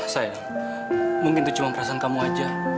sayang mungkin itu cuma perasaan kamu saja